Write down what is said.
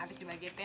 abis dibagi thr